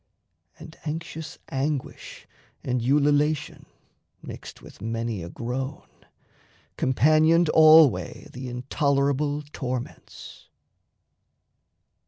And anxious anguish and ululation (mixed With many a groan) companioned alway The intolerable torments.